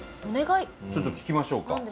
ちょっと聞きましょうか。